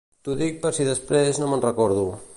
T'ho dic per si després no me'n recordo.